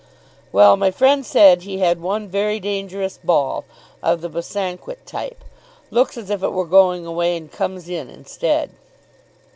"Well, my friend said he had one very dangerous ball, of the Bosanquet type. Looks as if it were going away, and comes in instead."